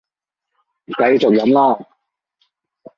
繼續飲啦